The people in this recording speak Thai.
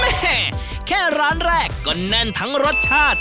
แค่ร้านแรกก็แน่นทั้งรสชาติ